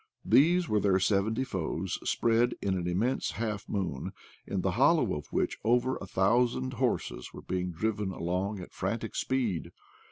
These were their sev enty foes spread in an immense half moon, in the hollow of which over a thousand horses were being driven along at frantic speed.